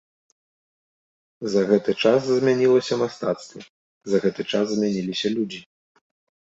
За гэты час змянілася мастацтва, за гэты час змяніліся людзі.